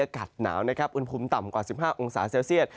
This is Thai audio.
อากาศหนาวนะครับอุณหภูมิต่ำกว่า๑๕องศาเซลเซียต